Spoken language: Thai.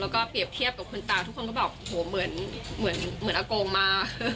แล้วก็เปรียบเทียบกับคุณตาทุกคนก็บอกโหเหมือนอาโกงมา